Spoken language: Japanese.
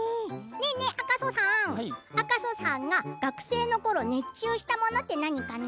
ねえねえ、赤楚さん学生のころ熱中したものって何かな？